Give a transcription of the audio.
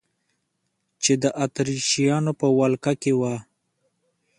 چې د اتریشیانو په ولقه کې وه.